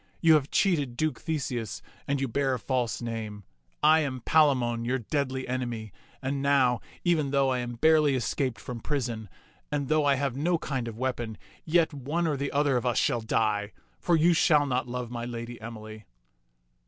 You have cheated Duke The seus, and you bear a false name. I am Palamon, your deadly enemy; and now, even though I am barely 32 t^^ Mnx^^fB tak escaped from prison, and though I have no kind of weapon, yet one or the other of us shall die, for you shall not love my lady Emily."